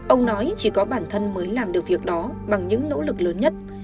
ông nói chỉ có bản thân mới làm được việc đó bằng những nỗ lực lớn nhất